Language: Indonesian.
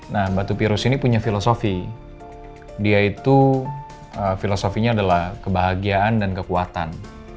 nah batu virus ini punya filosofi dia itu filosofinya adalah kebahagiaan dan kekuatan